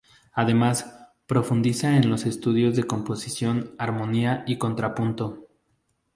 Además, profundiza en los estudios de composición, armonía y contrapunto.